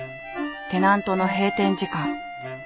テナントの閉店時間。